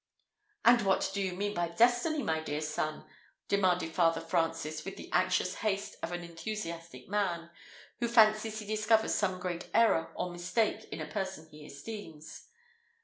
"And what do you mean by destiny, my dear son?" demanded Father Francis, with the anxious haste of an enthusiastic man, who fancies he discovers some great error or mistake in a person he esteems.